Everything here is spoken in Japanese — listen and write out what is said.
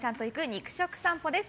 肉食さんぽです。